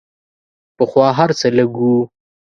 پخوا هر څه لږ وو.